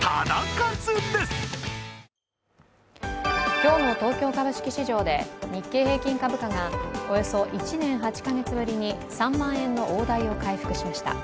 今日の東京株式市場で日経平均株価がおよそ１年８か月ぶりに３万円の大台を回復しました。